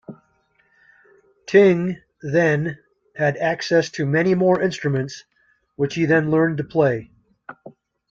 Tyng, then, had access to many more instruments, which he then learned to play.